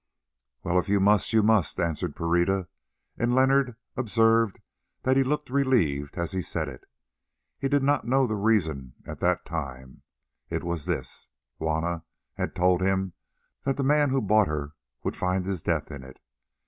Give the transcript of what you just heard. "Well, if you must, you must," answered Pereira, and Leonard observed that he looked relieved as he said it. He did not know the reason at the time. It was this: Juanna had told him that the man who bought her would find his death in it.